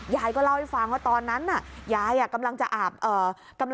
ยายก็เล่าให้ฟังว่าตอนนั้นน่ะยายกำลังจะอาบ